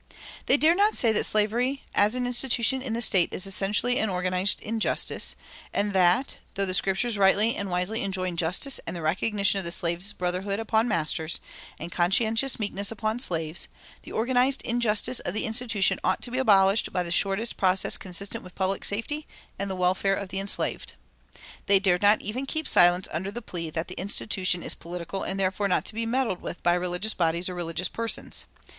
They dared not say that slavery as an institution in the State is essentially an organized injustice, and that, though the Scriptures rightly and wisely enjoin justice and the recognition of the slaves' brotherhood upon masters, and conscientious meekness upon slaves, the organized injustice of the institution ought to be abolished by the shortest process consistent with the public safety and the welfare of the enslaved. They dared not even keep silence under the plea that the institution is political and therefore not to be meddled with by religious bodies or religious persons.